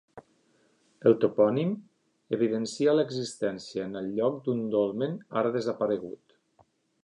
El topònim evidencia l'existència en el lloc d'un dolmen, ara desaparegut.